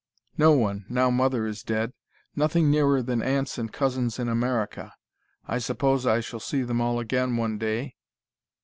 "No one, now mother is dead. Nothing nearer than aunts and cousins in America. I suppose I shall see them all again one day.